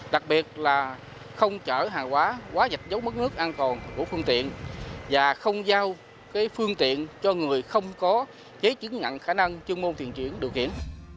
đặc biệt là không chở hàng quá dạch dấu mất nước an toàn của phương tiện và không giao phương tiện cho người không có giấy chứng nhận khả năng chuyên môn thuyền trưởng điều kiện